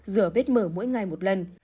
rửa vết mở mỗi ngày một lần